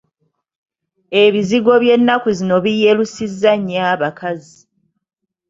Ebizigo by'ennaku zino biyerusizza nnyo abakazi.